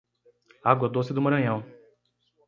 Água Doce do Maranhão